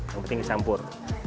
yang penting kecampur